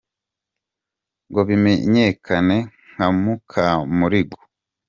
ngo bimenyekane nka Mukamurigo.